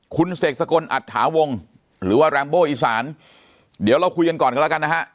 คุณเสกสกลอัตถาวงหรือว่าแรมโบอีสานเดี๋ยวเราคุยกันก่อนกันแล้วกันนะฮะ